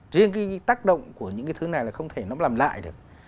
riêng cái tác động của những cái thứ này là không thể nó làm lại được